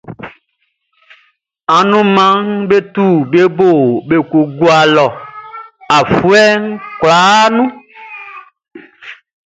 Anunmanʼm be tu be bo be kɔ ngua lɔ afuɛ kwlaa nun.